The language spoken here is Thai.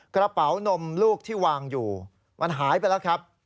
กระเป๋านมลูกที่วางอยู่มันหายไปแล้วครับ